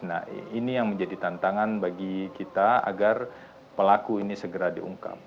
nah ini yang menjadi tantangan bagi kita agar pelaku ini segera diungkap